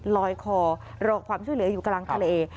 ลอยคอรอความช่วยเหลืออยู่กลางทะเล